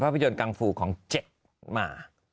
ภาพยนตร์กังฟูของเจ็กหมา